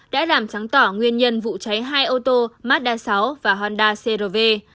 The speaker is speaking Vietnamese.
đã làm trắng tỏ nguyên nhân vụ cháy hai ô tô mazda sáu và honda cerro